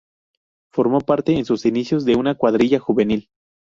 Formó parte en sus inicios de una cuadrilla juvenil.